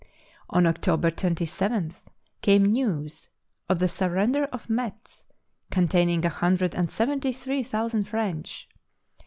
On October 27th came news of the surrender of Metz, containing a hundred and seventy three thou sand French.